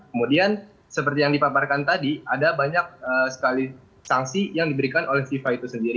kemudian seperti yang dipaparkan tadi ada banyak sekali sanksi yang diberikan oleh fifa itu sendiri